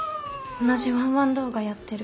同じワンワン動画やってる。